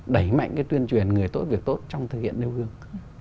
đẩy mạnh cái tuyên truyền người tốt việc tốt trong thực hiện nêu gương